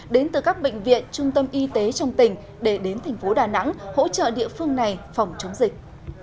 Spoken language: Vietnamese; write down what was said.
đến từ các bệnh viện trung tâm y tế trong tỉnh để đến thành phố đà nẵng hỗ trợ địa phương này phòng chống dịch